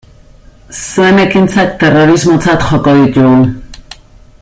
Zuen ekintzak terrorismotzat joko ditugu.